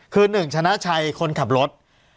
คือ๑ชนะชัยคนขับรถ